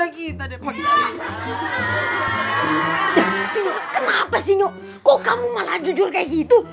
kenapa sih nyok kok kamu malah jujur kayak gitu